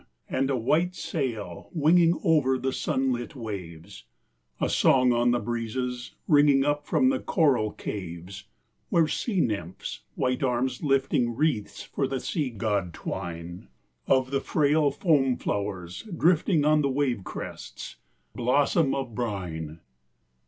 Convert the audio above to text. and a white sail winging Over the sunlit waves; A song on the breezes ringing Up from the coral caves Where sea nymphs, white arms lifting Wreaths for the sea god twine Of the frail foam flowers drifting On the wave crests blossom of brine.